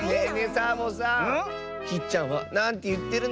サボさんきっちゃんはなんていってるの？